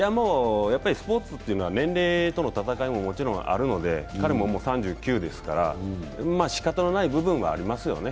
スポーツというのは、年齢との闘いもあるので、彼ももう３９ですから、しかたのない部分もありますよね。